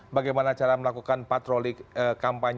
bagaimana cara melakukan patroli kampanye